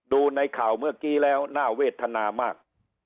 ดูในข่าวเมื่อกี้แล้วน่าเวทนามาก